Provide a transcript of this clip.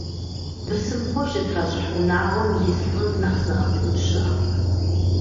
Бысымхъуэж зытращӏыхь унагъуэм ис лӏыр нэхъ зыгъэпуд щыӏэкъым.